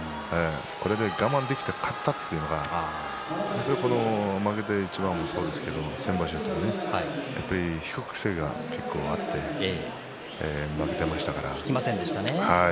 これで我慢できて勝ったというのが負けた一番もそうですけど先場所もね引く癖が結構あって負けていましたから。